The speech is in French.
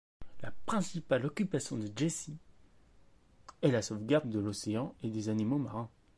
La principale occupation de Jesse est la sauvegarde de l'océan et des animaux marins.